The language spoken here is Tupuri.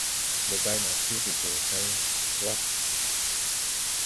Ndɔ bay ma seege gɔ hãy.